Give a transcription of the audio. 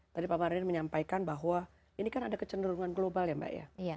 tadi pak mardin menyampaikan bahwa ini kan ada kecenderungan global ya mbak ya